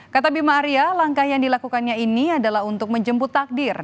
kata bima arya langkah yang dilakukannya ini adalah untuk menjemput takdir